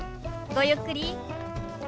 ごゆっくり。